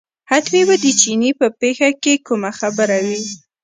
حتمي به د چیني په پېښه کې کومه خبره وي.